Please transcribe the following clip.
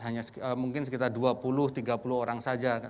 hanya mungkin sekitar dua puluh tiga puluh orang saja